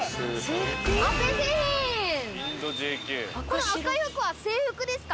この赤い服は制服ですか？